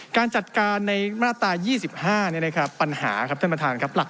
การจัดการในมาตรา๒๕ปัญหาครับท่านประธานครับ